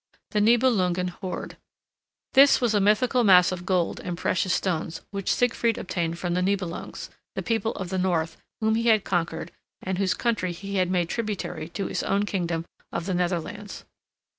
THE NIBELUNGEN HOARD This was a mythical mass of gold and precious stones which Siegfried obtained from the Nibelungs, the people of the north whom he had conquered and whose country he had made tributary to his own kingdom of the Netherlands.